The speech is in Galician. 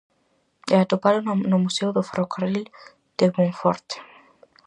E atopárona no Museo do Ferrocarril de Monforte.